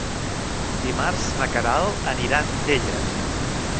Dimarts na Queralt anirà a Antella.